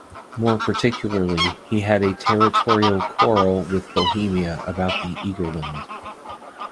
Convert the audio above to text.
More particularly, he had a territorial quarrel with Bohemia about the Egerland.